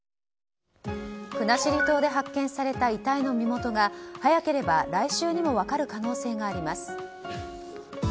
国後島で発見された遺体の身元が早ければ来週にも分かる可能性があります。